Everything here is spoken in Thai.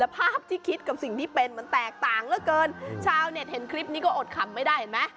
ภาพที่คิดกับสิ่งที่เป็นมันแตกต่างเหลือเกินชาวเน็ตเห็นคลิปนี้ก็อดขำไม่ได้เห็นไหม